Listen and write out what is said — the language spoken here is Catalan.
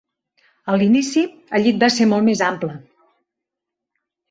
A l'inici, el llit va ser molt més ample.